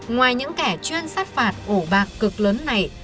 ngoài những kẻ chuyên sát phạt ổ bạc cực lớn này